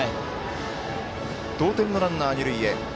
同点のランナー、二塁へ。